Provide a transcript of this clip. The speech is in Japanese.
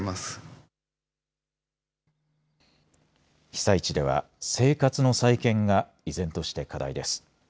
被災地では、生活の再建が依然として課題です。